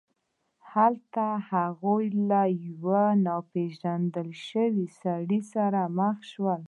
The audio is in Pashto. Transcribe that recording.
هلته هغه له یو ناپيژندل شوي سړي سره مخ شو.